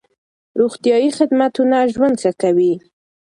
روغتيايي خدمتونه ژوند ښه کوي.